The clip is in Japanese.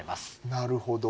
なるほど。